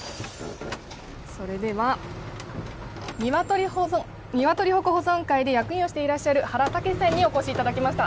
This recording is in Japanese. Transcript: それでは、鶏鉾保存会で役員をしていらっしゃる原健さんに来ていただきました。